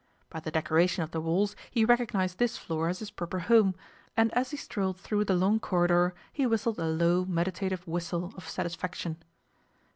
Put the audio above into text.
By the decoration of the walls he recognized this floor as his proper home, and as he strolled through the long corridor he whistled a low, meditative whistle of satisfaction.